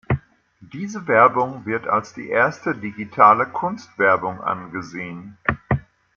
Diese Werbung wird als die erste Digitale-Kunst-Werbung angesehen.